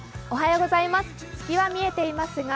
おはようございます。